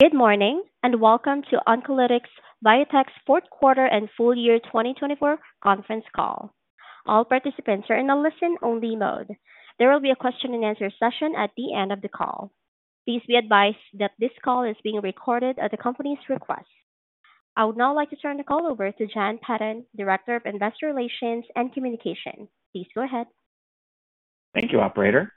Good morning and welcome to Oncolytics Biotech's fourth quarter and full year 2024 conference call. All participants are in a listen only mode. There will be a question and answer session at the end of the call. Please be advised that this call is being recorded at the Company's request. I would now like to turn the call over to Jon Patton, Director of Investor Relations and Communication. Please go ahead. Thank you operator.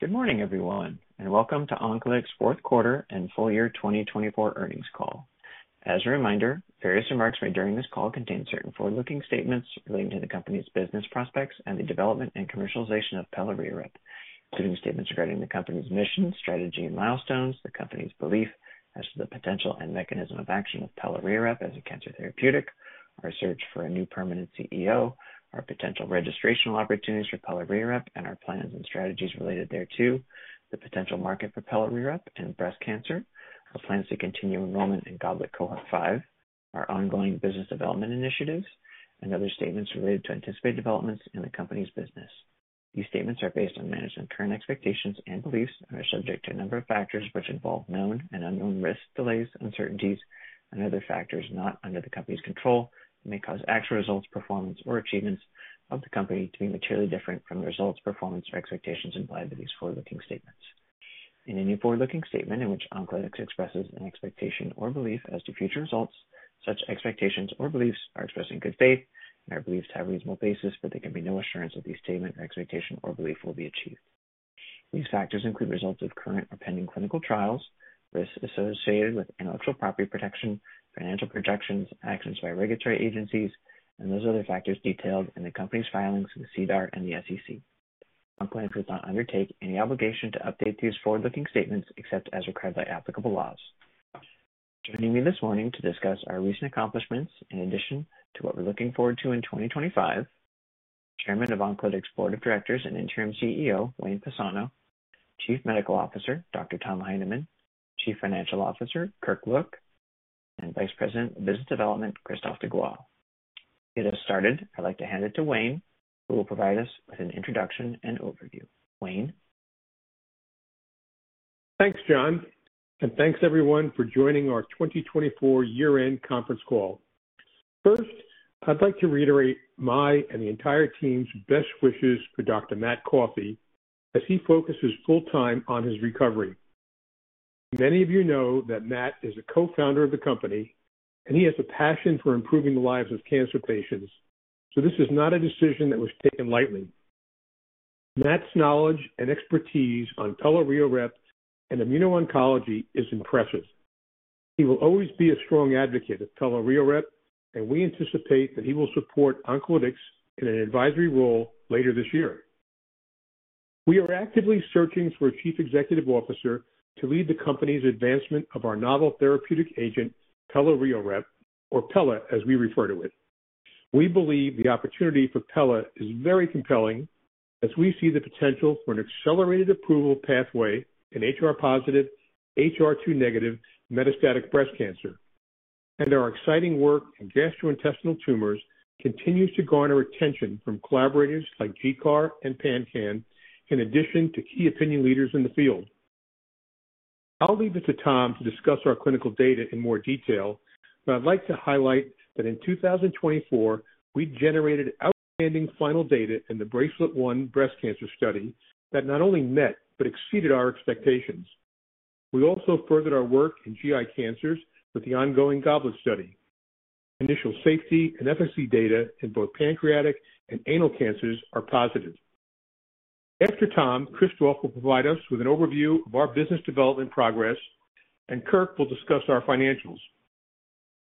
Good morning everyone and welcome to Oncolytics' fourth quarter and full year 2024 earnings call. As a reminder, various remarks made during this call contain certain forward looking statements relating to the Company's business prospects and the development and commercialization of pelareorep, including statements regarding the Company's mission, strategy and milestones, the Company's belief as to the potential and mechanism of action of pelareorep as a cancer therapeutic, our search for a new permanent CEO, our potential registrational opportunities for pelareorep and our plans and strategies related thereto, the potential market for pelareorep in breast cancer, our plans to continue enrollment in Goblet Cohort 5, our ongoing business development initiatives and other statements related to anticipated developments in the Company's business. These statements are based on management's current expectations and beliefs and are subject to a number of factors which involve known and unknown risk. Delays, uncertainties and other factors not under the Company's control may cause actual results, performance or achievements of the Company to be materially different from the results, performance or expectations implied by these forward looking statements. In any forward looking statement in which Oncolytics expresses an expectation or belief as to future results, such expectations or beliefs are expressed in good faith and are believed to have reasonable basis, but there can be no assurance that the statement, expectation or belief will be achieved. These factors include results of current or pending clinical trials, risks associated with intellectual property protection, financial projections, actions by regulatory agencies and those other factors detailed in the Company's filings with SEDAR and the SEC. Oncolytics does not undertake any obligation to update these forward looking statements except as required by applicable laws. Joining me this morning to discuss our recent accomplishments in addition to what we're looking forward to in 2025, Chairman of Oncolytics' Board of Directors and Interim CEO Wayne Pisano, Chief Medical Officer Dr. Tom Heineman, Chief Financial Officer Kirk Look, and Vice President of Business Development Christophe Degois. To get us started, I'd like to hand it to Wayne who will provide us with an introduction and overview. Wayne. Thanks Jon and thanks everyone for joining our 2024 year end conference call. First, I'd like to reiterate my and the entire team's best wishes for Dr. Matt Coffey as he focuses full time on his recovery. Many of you know that Matt is a co-founder of the company and he has a passion for improving the lives of cancer patients, so this is not a decision that was taken lightly. Matt's knowledge and expertise on pelareorep and immuno-oncology is impressive. He will always be a strong advocate of pelareorep and we anticipate that he will support Oncolytics in an advisory role later this year. We are actively searching for a Chief Executive Officer to lead the company's advancement of our novel therapeutic agent pelareorep, or Pella as we refer to it. We believe the opportunity for Pella is very compelling as we see the potential for an accelerated approval pathway in HR positive HER2 negative metastatic breast cancer and our exciting work in gastrointestinal tumors continues to garner attention from collaborators like GCAR and PanCAN, in addition to key opinion leaders in the field. I'll leave it to Tom to discuss our clinical data in more detail, but I'd like to highlight that in 2024 we generated outstanding final data in the BRACELET-1 breast cancer study that not only met but exceeded our expectations. We also furthered our work in GI cancers with the ongoing GOBLET study. Initial safety and efficacy data in both pancreatic and anal cancers are positive. After Tom, Christophe will provide us with an overview of our business development progress and Kirk will discuss our financials.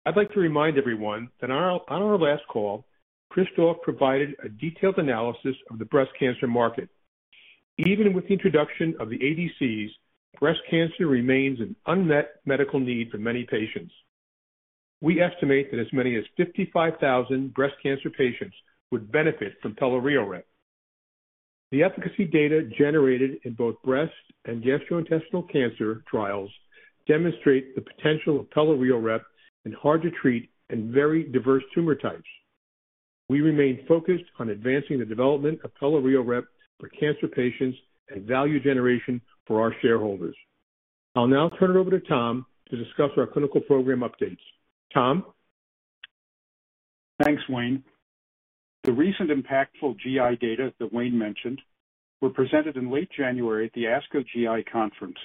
I'd like to remind everyone that on our last call, Christophe provided a detailed analysis of the breast cancer market. Even with the introduction of the ADCs, breast cancer remains an unmet medical need for many patients. We estimate that as many as 55,000 breast cancer patients would benefit from pelareorep. The efficacy data generated in both breast and gastrointestinal cancer trials demonstrate the potential of pelareorep in hard to treat and very diverse tumor types. We remain focused on advancing the development of pelareorep for cancer patients and value generation for our shareholders. I'll now turn it over to Tom to discuss our clinical program updates. Tom, thanks Wayne. The recent impactful GI data that Wayne mentioned were presented in late January at the ASCO GI conference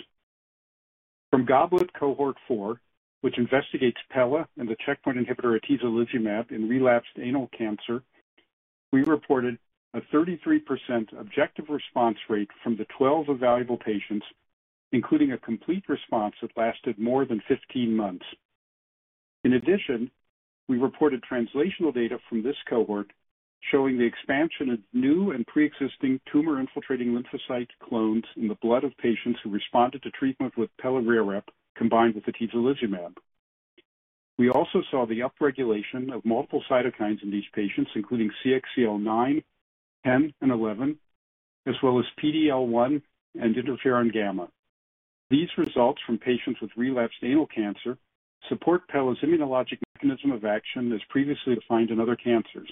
from Goblet Cohort 4, which investigates Pella and the checkpoint inhibitor atezolizumab in relapsed anal cancer. We reported a 33% objective response rate from the 12 evaluable patients, including a complete response that lasted more than 15 months. In addition, we reported translational data from this cohort showing the expansion of new and pre-existing tumor infiltrating lymphocyte clones in the blood of patients who responded to treatment with pelareorep combined with atezolizumab. We also saw the upregulation of multiple cytokines in these patients including CXCL9, 10 and 11, as well as PD-L1 and interferon gamma. These results from patients with relapsed anal cancer support Pella's immunologic mechanism of action as previously defined in other cancers.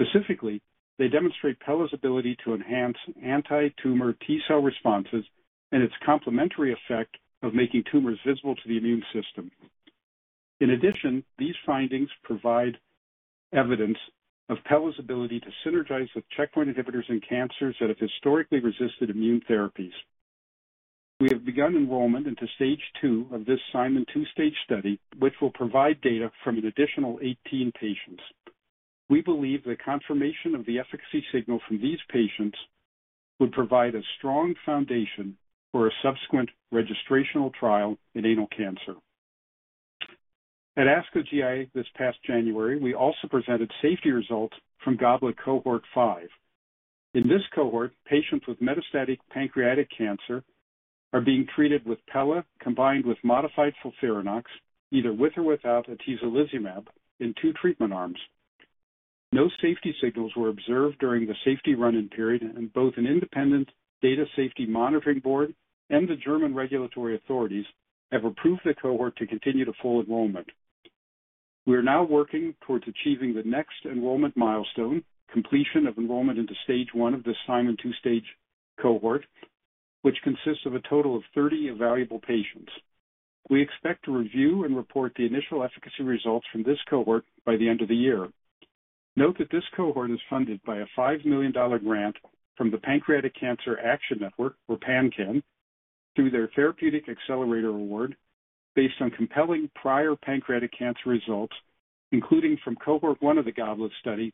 Specifically, they demonstrate Pella's ability to enhance anti-tumor T cell responses and its complementary effect of making tumors visible to the immune system. In addition, these findings provide evidence of Pella's ability to synergize with checkpoint inhibitors in cancers that have historically resisted immune therapies. We have begun enrollment into stage two of this Simon 2-stage study, which will provide data from an additional 18 patients. We believe the confirmation of the efficacy signal from these patients would provide a strong foundation for a subsequent registrational trial in anal cancer. At ASCO GI this past January, we also presented safety results from Goblet Cohort 5. In this cohort, patients with metastatic pancreatic cancer are being treated with Pella combined with modified FOLFIRINOX, either with or without atezolizumab, in two treatment arms. No safety signals were observed during the safety run-in period in both an independent data safety monitoring board and the German regulatory authorities have approved the cohort to continue to full enrollment. We are now working towards achieving the next enrollment milestone, completion of enrollment into stage one of the Simon 2-stage cohort, which consists of a total of 30 evaluable patients. We expect to review and report the initial efficacy results from this cohort by the end of the year. Note that this cohort is funded by a $5 million grant from the Pancreatic Cancer Action Network or PanCAN through their Therapeutic Accelerator Award based on compelling prior pancreatic cancer results, including from Cohort 1 of the Goblet study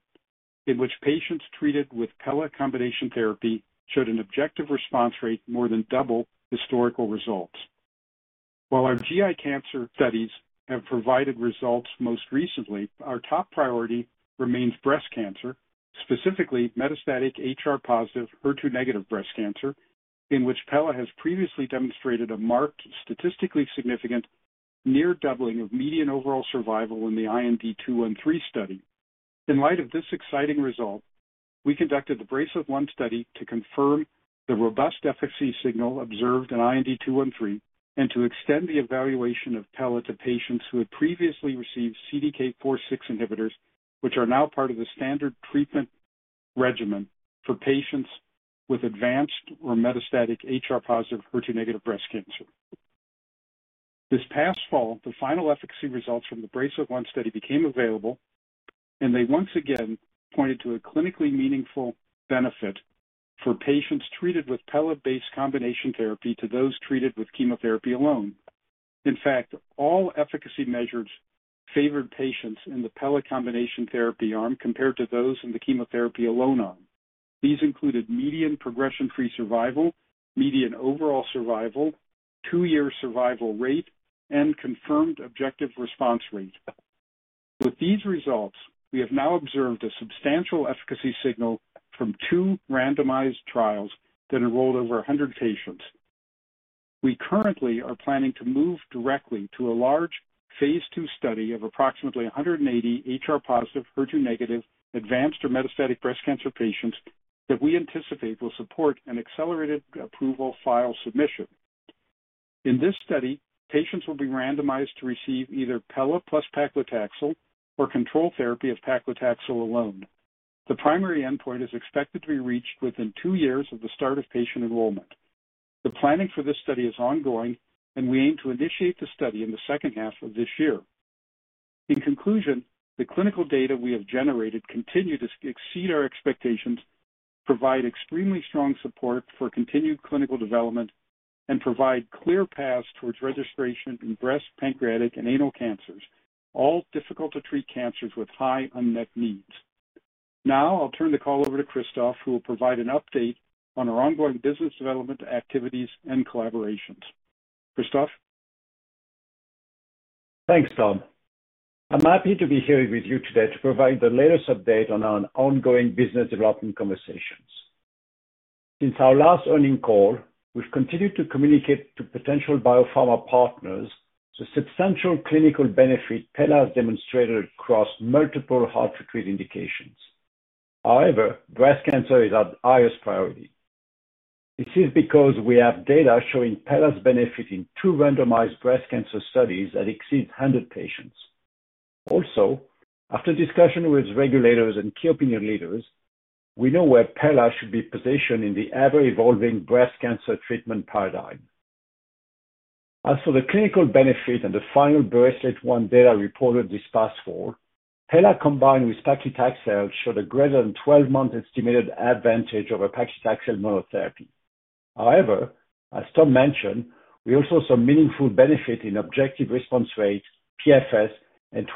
in which patients treated with Pella combination therapy showed an objective response rate more than double. Historical results While our GI cancer studies have provided results most recently, our top priority is remains breast cancer, specifically metastatic HR positive HER2 negative breast cancer in which Pella has previously demonstrated a marked statistically significant near doubling of median overall survival in the IND-213 study. In light of this exciting result, we conducted the BRACELET-1 study to confirm the robust efficacy signal observed in IND-213 and to extend the evaluation of Pella to patients who had previously received CDK4/6 inhibitors, which are now part of the standard treatment regimen for patients with advanced or metastatic HR positive HER2 negative breast cancer. This past fall the final efficacy results from the BRACELET-1 study became available and they once again pointed to a clinically meaningful benefit for patients treated with Pella based combination therapy to those treated with chemotherapy alone. In fact, all efficacy measures favored patients in the Pella combination therapy arm compared to those in the chemotherapy alone arm. These included median progression-free survival, median overall survival, two-year survival rate, and confirmed objective response rate. With these results, we have now observed a substantial efficacy signal from two randomized trials that enrolled over 100 patients. We currently are planning to move directly to a large phase 2 study of approximately 180 HR positive HER2 negative advanced or metastatic breast cancer patients that we anticipate will support an accelerated approval file submission. In this study, patients will be randomized to receive either Pella + paclitaxel or control therapy of paclitaxel alone. The primary endpoint is expected to be reached within two years of the start of patient enrollment. The planning for this study is ongoing and we aim to initiate the study in the second half of this year. In conclusion, the clinical data we have generated continue to exceed our expectations, provide extremely strong support for continued clinical development and provide clear paths towards registration in breast, pancreatic and anal cancers, all difficult to treat cancers with high unmet needs. Now I'll turn the call over to Christophe who will provide an update on our ongoing business development activities and collaborations. Christophe. Thanks Tom. I'm happy to be here with you today to provide the latest update on our ongoing business development conversations. Since our last earning call, we've continued to communicate to potential biopharma partners the substantial clinical benefit Pella has demonstrated across multiple hard to treat indications. However, breast cancer is our highest priority. This is because we have data showing Pella's benefit in two randomized breast cancer studies that exceeds 100 patients. Also, after discussion with regulators and key opinion leaders, we know where Pella should be positioned in the ever evolving breast cancer treatment paradigm. As for the clinical benefit and the final BRACELET-1 data reported this past fall, Pella combined with paclitaxel showed a greater than 12 month estimated advantage over paclitaxel monotherapy. However, as Tom mentioned, we also saw meaningful benefit in objective response rate, PFS and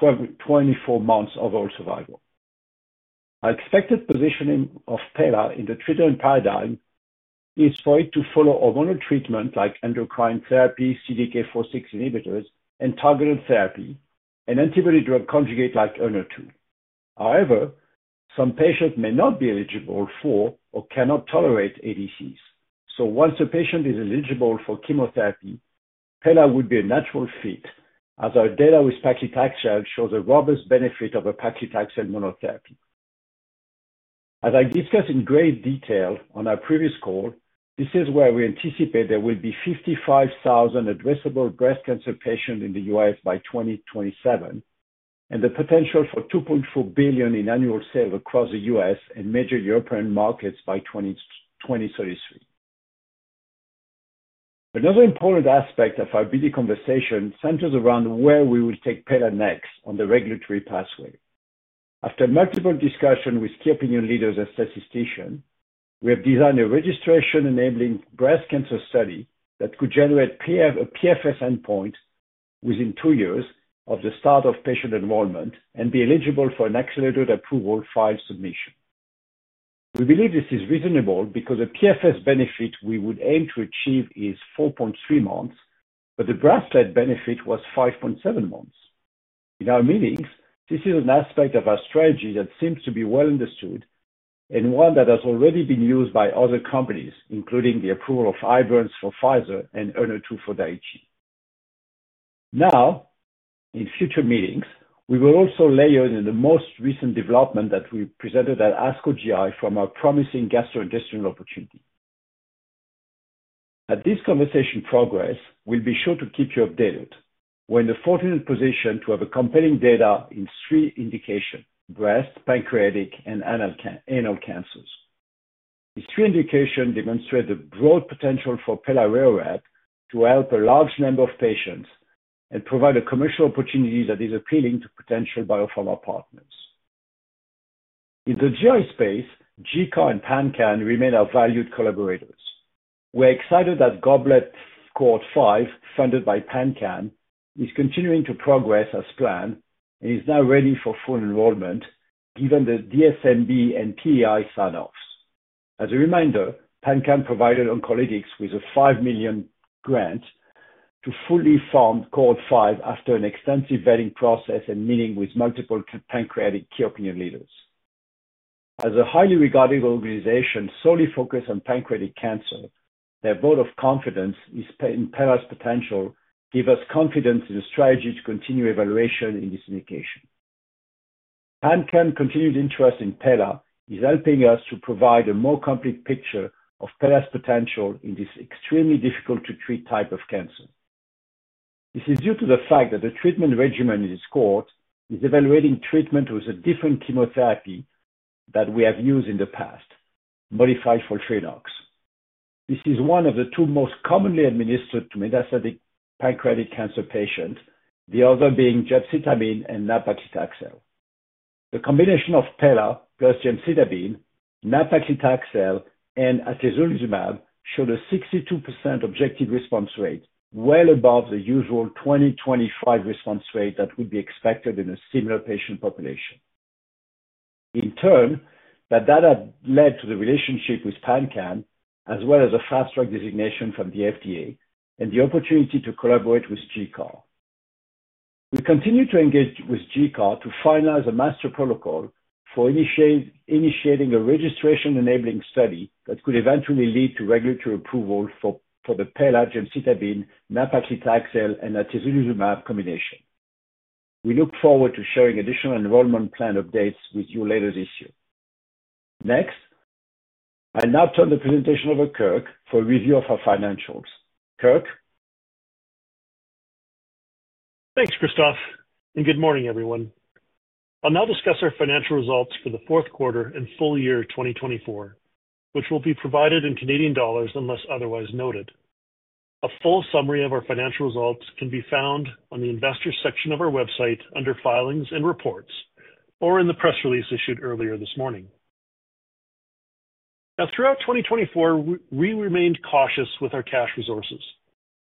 24 months overall survival. Our expected positioning of Pella in the treatment paradigm is for it to follow hormonal treatment like endocrine therapy, CDK4/6 inhibitors and targeted therapy and antibody-drug conjugate like Enhertu. However, some patients may not be eligible for or cannot tolerate ADCs, so once a patient is eligible for chemotherapy, Pella would be a natural fit as our data with paclitaxel shows a robust benefit over paclitaxel monotherapy. As I discussed in great detail on our previous call, this is where we anticipate there will be 55,000 addressable breast cancer patients in the U.S. by 2027 and the potential for $2.4 billion in annual sales across the U.S. and major European markets by 2033. Another important aspect of our BD conversation centers around where we will take Pella next on the regulatory pathway. After multiple discussions with key opinion leaders and statisticians, we have designed a registration enabling breast cancer study that could generate a PFS endpoint within two years of the start of patient enrollment and be eligible for an accelerated approval file submission. We believe this is reasonable because the PFS benefit we would aim to achieve is 4.3 months, but the BRACELET benefit was 5.7 months. In our meetings, this is an aspect of our strategy that seems to be well understood and one that has already been used by other companies, including the approval of Ibrance for Pfizer and Enhertu for Daiichi Sankyo. In future meetings we will also layer in the most recent development that we presented at ASCO GI from our promising gastrointestinal opportunity. As this conversation progresses, we'll be sure to keep you updated. We're in the fortunate position to have compelling data in three indications: breast, pancreatic, and anal cancers. These three indications demonstrate the broad potential for pelareorep to help a large number of patients and provide a commercial opportunity that is appealing to potential biopharma partners in the GI space. GCAR and PanCAN remain our valued collaborators. We're excited that Goblet Cohort 5, funded by PanCAN, is continuing to progress as planned and is now ready for full enrollment given the DSMB and PEI sign-offs. As a reminder, PanCAN provided Oncolytics with a $5 million grant to fully fund Cohort 5 after an extensive vetting process and meeting with multiple pancreatic key opinion leaders. As a highly regarded organization solely focused on pancreatic cancer, their vote of confidence in pelareorep's potential gives us confidence in a strategy to continue evaluation. In this indication, PanCAN's continued interest in Pella is helping us to provide a more complete picture of Pella's potential in this extremely difficult to treat type of cancer. This is due to the fact that the treatment regimen in its cohort is evaluating treatment with a different chemotherapy than we have used in the past, modified FOLFIRINOX. This is one of the two most commonly administered to metastatic pancreatic cancer patients, the other being gemcitabine and nab-paclitaxel. The combination of Pella+ gemcitabine, nab-paclitaxel and atezolizumab showed a 62% objective response rate, well above the usual 20-25% response rate that would be expected in a similar patient population. In turn, that data led to the relationship with PanCAN as well as a fast track designation from the FDA and the opportunity to collaborate with GCAR. We continue to engage with the Global Coalition for Adaptive Research to finalize a master protocol for initiating a registration enabling study that could eventually lead to regulatory approval for the pelareorep and paclitaxel, nab-paclitaxel, and atezolizumab combination. We look forward to sharing additional enrollment plan updates with you later this year. Next, I'll now turn the presentation over to Kirk for a review of our financials. Kirk. Thanks Christophe and good morning everyone. I'll now discuss our financial results for the fourth quarter and full year 2024 which will be provided in CAD unless otherwise noted. A full summary of our financial results can be found on the Investors section of our website under Filings and Reports or in the press release issued earlier this morning. Now, throughout 2024, we remained cautious with our cash resources.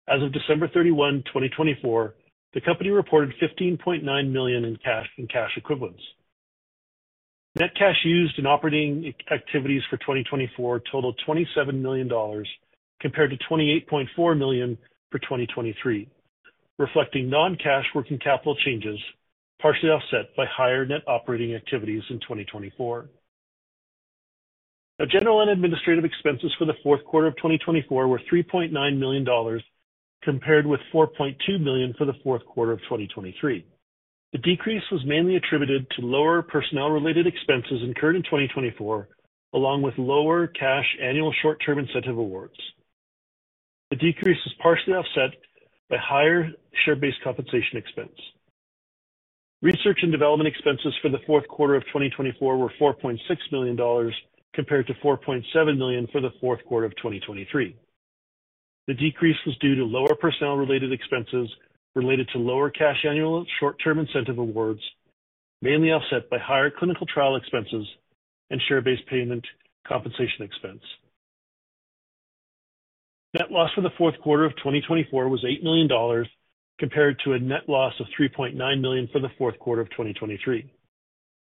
As of December 31, 2024, the company reported 15.9 million in cash and cash equivalents. Net cash used in operating activities for 2024 totaled $27 million compared to 28.4 million for 2023, reflecting non cash working capital changes partially offset by higher net operating activities in 2024. General and administrative expenses for the fourth quarter of 2024 were 3.9 million dollars compared with 4.2 million for the fourth quarter of 2023. The decrease was mainly attributed to lower personnel related expenses incurred in 2024 along with lower cash annual short term incentive awards. The decrease is partially offset by higher share based compensation expense. Research and development expenses for the fourth quarter of 2024 were $4.6 million compared to $4.7 million for the fourth quarter of 2023. The decrease was due to lower personnel related expenses related to lower cash annual short term incentive awards mainly offset by higher clinical trial expenses and share based payment compensation expense. Net loss for the fourth quarter of 2024 was $8 million compared to a net loss of $3.9 million for the fourth quarter of 2023.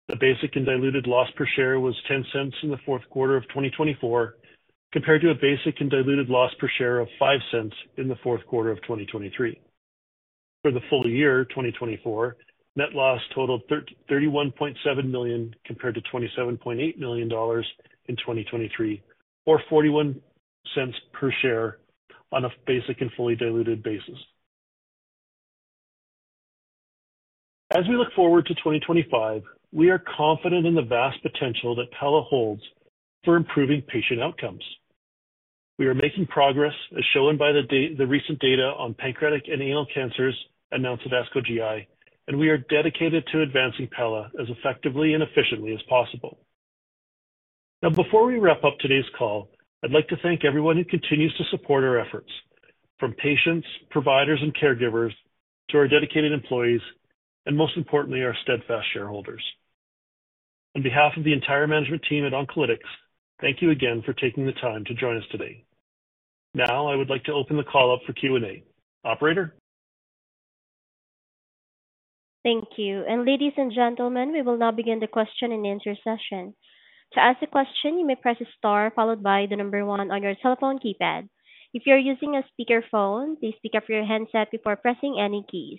The basic and diluted loss per share was $0.10 in the fourth quarter of 2024 compared to a basic and diluted loss per share of $0.05 in the fourth quarter of 2023. For the full year 2024, net loss totaled $31.7 million compared to $27.8 million in 2023, or $0.41 per share on a basic and fully diluted basis. As we look forward to 2025, we are confident in the vast potential that Pella holds for improving patient outcomes. We are making progress as shown by the recent data on pancreatic and anal cancers announced at ASCO GI, and we are dedicated to advancing Pella as effectively and efficiently as possible. Now, before we wrap up today's call, I'd like to thank everyone who continues to support our efforts from patients, providers and caregivers to our dedicated employees, and most importantly, our steadfast shareholders. On behalf of the entire management team at Oncolytics, thank you again for taking the time to join us today. Now I would like to open the call up for Q&A operator. Thank you and ladies and gentlemen, we will now begin the question and answer session. To ask a question, you may press a star followed by the number one on your telephone keypad. If you're using a speakerphone, please pick up your handset before pressing any keys.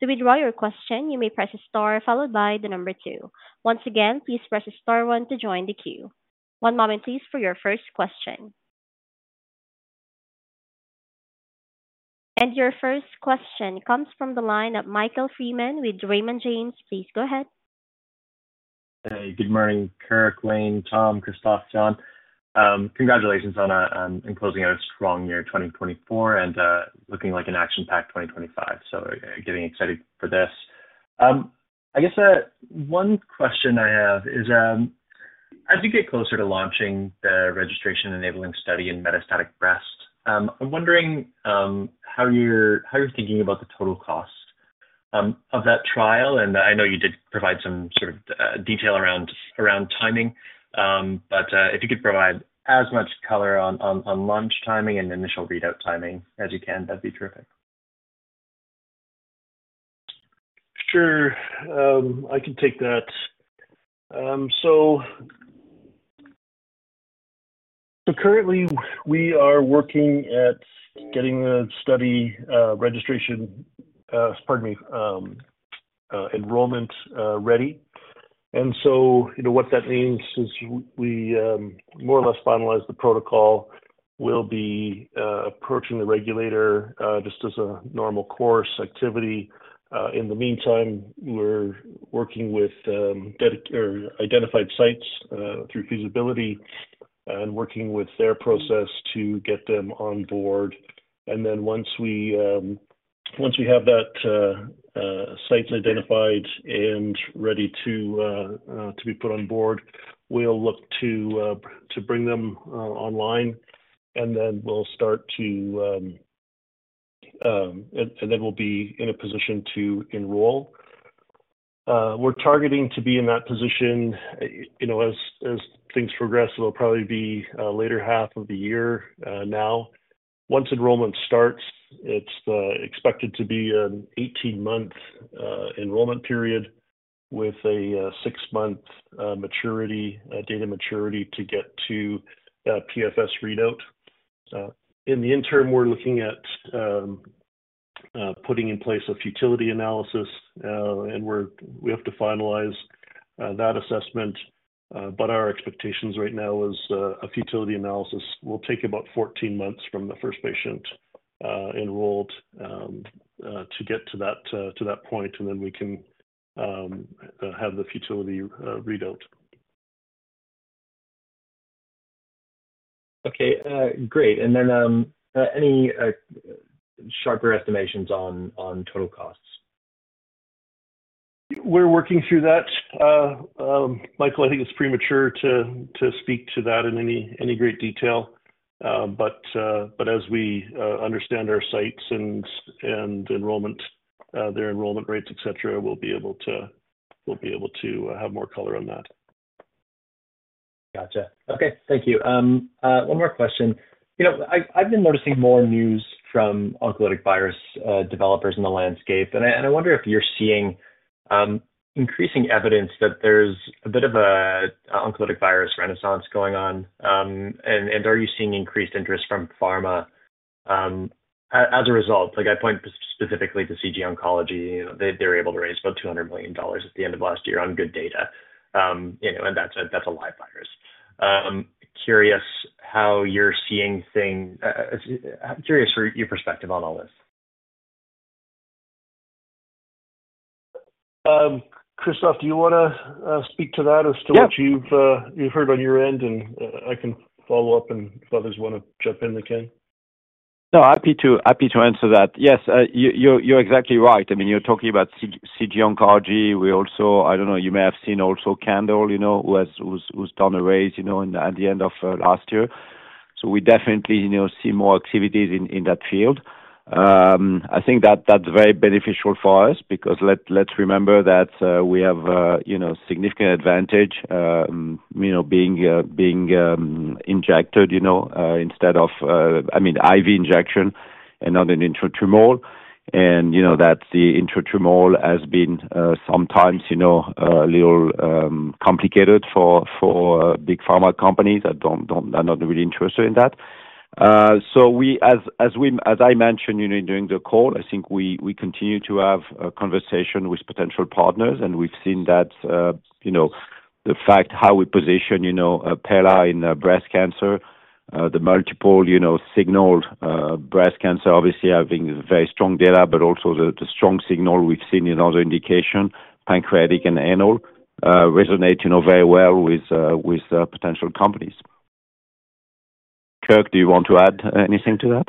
To withdraw your question, you may press a star followed by the number two. Once again, please press a star one to join the queue. One moment please for your first question. Your first question comes from the line of Michael Freeman with Raymond James. Please go ahead. Good morning, Kirk, Wayne, Tom, Christophe, Jon. Congratulations on closing out a strong year 2024 and looking like an action packed 2025. Getting excited for this I guess. One question I have is as you get closer to launching the registration enabling study in metastatic breast, I'm wondering how you're thinking about the total cost of that trial. I know you did provide some sort of detail around timing, but if you could provide as much color on launch timing and initial readout timing as you can, that'd be terrific. Sure, I can take that. Currently we are working at getting the study registration, pardon me, enrollment ready and so you know what that means is we more or less finalize the protocol, will be approaching the regulator just as a normal course activity. In the meantime we're working with identified sites through feasibility and working with their process to get them on board. Once we have that site identified and ready to be put on board, we'll look to bring them online and then we'll start to. Then we'll be in a position to enroll. We're targeting to be in that position. You know, as things progress, it'll probably be later, half of the year. Once enrollment starts, it's expected to be an 18 month enrollment period with a 6 month data maturity to get to PFS readout. In the interim, we're looking at. Putting. In place a futility analysis and we have to finalize that assessment. Our expectations right now is a futility analysis will take about 14 months from the first patient enrolled to get to that point. Then we can have the futility readout. Okay, great. Any sharper estimations on total costs? We're working through that, Michael. I think it's premature to speak to that in any great detail, but as we understand our sites and enrollment, their enrollment rates, et cetera, we'll be able to have more color on that. Gotcha. Okay, thank you. One more question. You know, I've been noticing more news from oncolytic virus developers in the landscape, and I wonder if you're seeing increasing evidence that there's a bit of an oncolytic virus renaissance going on and are you seeing increased interest from pharma as a result? Like I point specifically to CG Oncology. They were able to raise about $200 million at the end of last year on good data, and that's a live virus. Curious how you're seeing things. Curious for your perspective on all this. Christophe, do you want to speak to that as to what you've heard on your end? I can follow up and if others want to jump in, they can. No, happy to answer that. Yes, you're exactly right. I mean, you're talking about CG Oncology. We also, I don't know, you may have seen also Kura, you know, who's talking on a raise, you know, at the end of last year. We definitely see more activities in that field. I think that that's very beneficial for us because let's remember that we have, you know, significant advantage, you know, being injected, you know, instead of, I mean, IV injection and not an intratumoral. You know, the intratumoral has been sometimes, you know, a little complicated for big pharma companies that are not really interested in that. As I mentioned, you know, during the call, I think we continue to have a conversation with potential partners. We have seen that, you know, the fact how we position, you know, pella in breast cancer, the multiple, you know, signal breast cancer obviously having very strong data, but also the strong signal we have seen in other indication pancreatic and analysis resonate, you know, very well with, with potential companies. Kirk, do you want to add anything to that?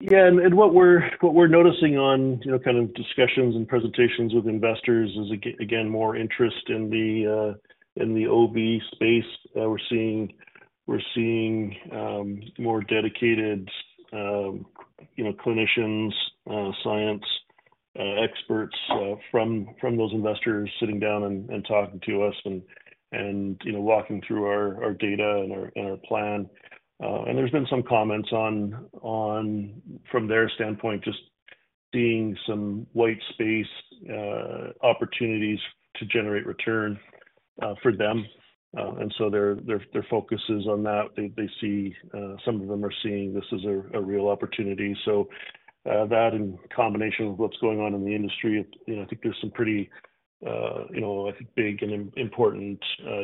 Yeah, and what we're noticing on, you know, kind of discussions and presentations with investors is again, more interest in the, in the OV space. We're seeing, we're seeing more dedicated, you know, clinicians, science experts from, from those investors sitting down and talking to us and, you know, walking through our data and our plan. There's been some comments on, from their standpoint, just seeing some white space opportunities to generate return for them. Their focus is on that. They see some of them are seeing this as a real opportunity. That in combination with what's going on in the industry, you know, pretty, you know, I think big and important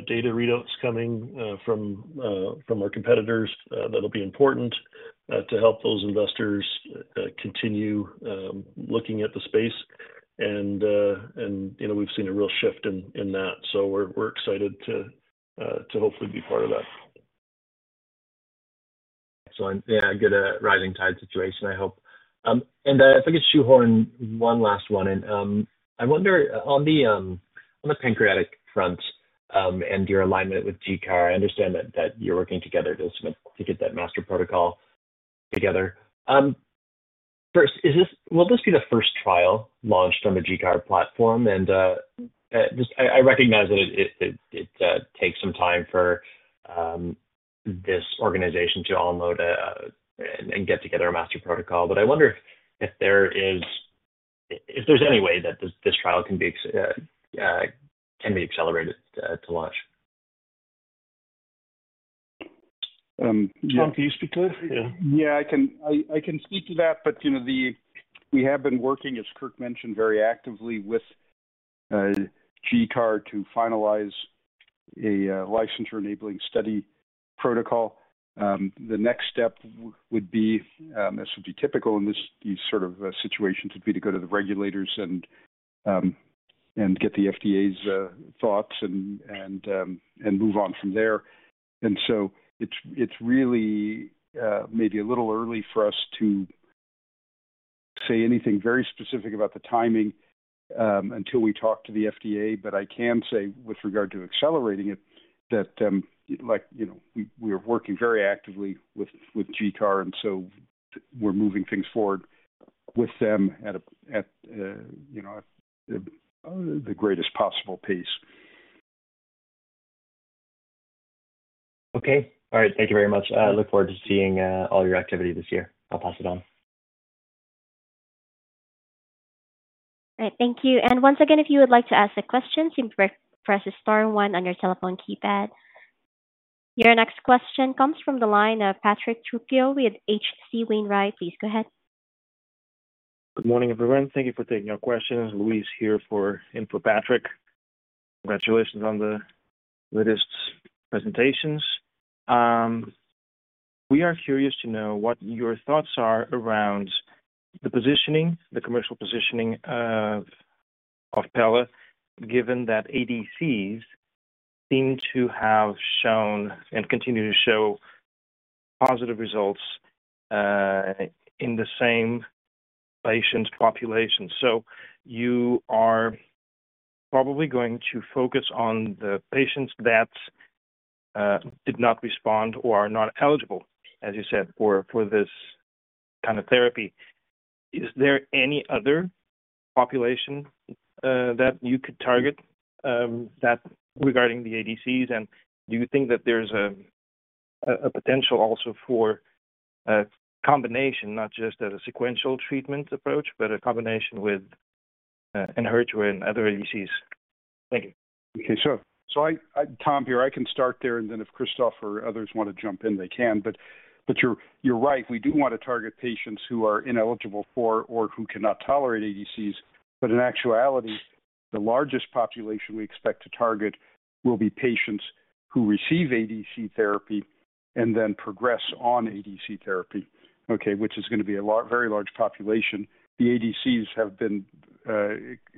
data readouts coming from our competitors that'll be important to help those investors continue looking at the space. You know, we've seen a real shift in that. We are excited to hopefully be part of that. Yeah, good rising tide situation I hope, and if I could shoehorn one last one. I wonder, on the pancreatic front and your alignment with GCAR, I understand that you're working together to get that master protocol together first. Will this be the first trial launched on the GCAR platform? I recognize that it takes some time for this organization to unload and get together a master protocol, but I wonder if there's any way that this trial can be accelerated to launch. Tom, can you speak to this? Yeah, I can speak to that. You know, we have been working, as Kirk mentioned, very actively with GCAR to finalize a licensure enabling study protocol. The next step would be, this would be typical in these sort of situations, to go to the regulators and get the FDA's thoughts and move on from there. It is really maybe a little early for us to say anything very specific about the timing until we talk to the FDA. I can say with regard to accelerating it that, you know, we are working very actively with GCAR and we are moving things forward with them at, you know, the greatest possible pace. Okay. All right, thank you very much. I look forward to seeing all your activity this year. I'll pass it on. All right, thank you. Once again, if you would like to ask a question, press the star one on your telephone keypad. Your next question comes from the line of Patrick Trucchio with HC Wainwright. Please go ahead. Good morning, everyone. Thank you for taking your questions. Luis here, in for Patrick, congratulations on the latest presentations. We are curious to know what your thoughts are around the positioning, the commercial positioning of pelareorep, given that ADCs seem to have shown and continue to show positive. Results. In the same patient population. You are probably going to focus on the patients that did not respond or are not eligible, as you said, for this kind of therapy. Is there any other population that you could target regarding the ADCs? Do you think that there is a potential also for combination, not just as a sequential treatment approach, but a combination with Enhertu and other ADCs? Thank you. Okay, Tom here. I can start there. If Christophe or others want to jump in, they can. You're right, we do want to target patients who are ineligible for or who cannot tolerate ADCs. In actuality, the largest population we. Expect to target will be patients who receive ADC therapy and then progress on ADC therapy. Okay. Which is going to be a very large population. The ADCs have been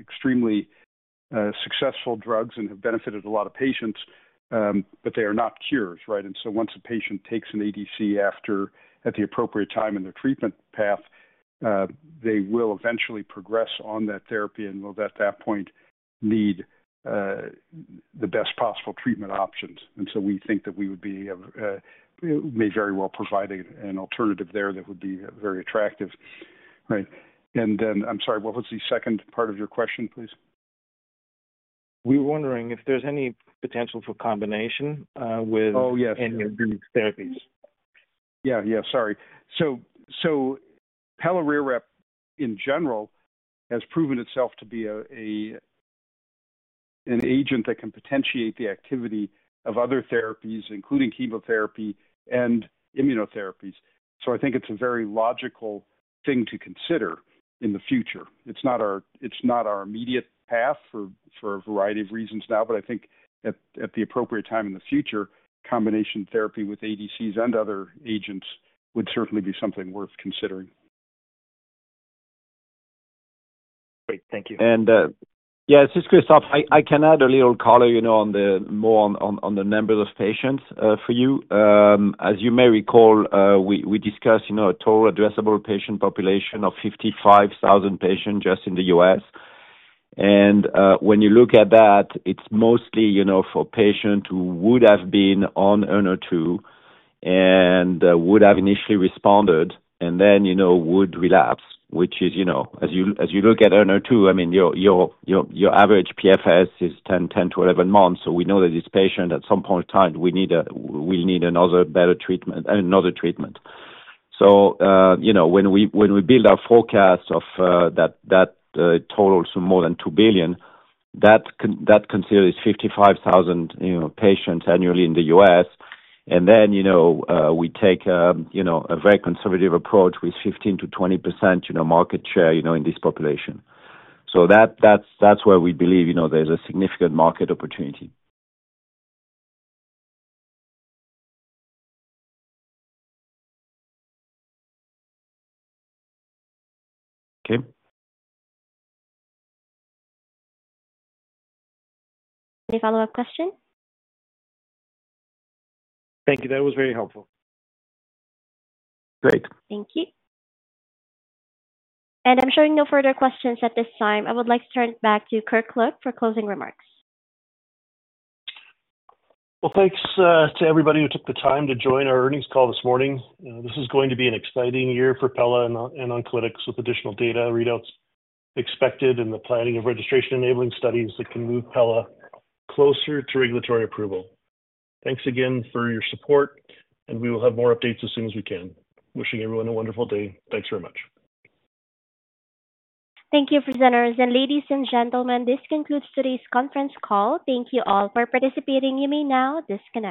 extremely successful drugs and have benefited a lot of patients, but they are not cures. Right. Once a patient takes an ADC at the appropriate time in their treatment path, they will eventually progress on that therapy and will at that point need the best possible treatment options. We think that we would be, may very well provide an alternative there that would be very attractive. Right. I'm sorry, what was the second part of your question, please? We were wondering if there's any potential for combination with any of these therapies. Yeah, yeah, sorry. Pelareorep in general has proven itself to be an agent that can potentiate the activity of other therapies, including chemotherapy and immunotherapies. I think it's a very logical thing to consider in the future. It's not our immediate path for a variety of reasons now, but I think at the appropriate time in the future, combination therapy with ADCs and other agents would certainly be something worth considering. Great, thank you. Yes, Christophe, I can add a. Little color more on the numbers of patients for you. As you may recall, we discussed a total addressable patient population of 55,000 patients just in the U.S. and when you look at that, it's mostly, you know, for patients who would have been on Enhertu and would have initially responded and then, you know, would relapse, which is, you know, as you, as you look at Enhertu, I mean your average PFS is 10-11 months. We know that this patient at some point in time will need another, better treatment. Another treatment. When we build our forecast of that total to more than $2 billion, that considers 55,000 patients annually in the U.S. and then, you know, we take, you know, a very conservative approach with 15%-20%, you know, market share, you know, in this population. That's where we believe, you know, there's a significant market opportunity. Okay. Any follow up question? Thank you, that was very helpful. Great. Thank you. I'm showing no further questions at this time. I would like to turn it back to Kirk Look for closing remarks. Thanks to everybody who took the time to join our earnings call this morning. This is going to be an exciting year for pelareorep and Oncolytics with additional data readouts expected and the planning of registration enabling studies that can move pelareorep closer to regulatory approval. Thanks again for your support and we will have more updates as soon as we can. Wishing everyone a wonderful day. Thanks very much. Thank you presenters and ladies and gentlemen, this concludes today's conference call. Thank you all for participating. You may now disconnect.